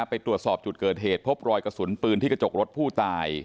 ไปตรวจสอบจุดเกิดเหตุพบรอยกระสุนปืนที่กระจกรถผู้ตาย